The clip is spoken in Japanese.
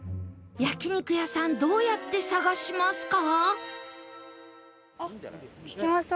焼肉屋さんどうやって探しますか？